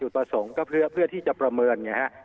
อยู่ต่อสงค์เพื่อที่จะประเมินเนี่ย